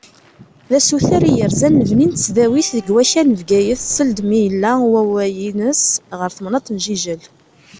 D asuter i yerzan lebni n tesdawit deg wakal n Bgayet seld mi yella wawway-ines ɣer temnaḍt n Jijel.